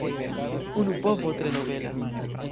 Unu povo tre nobela.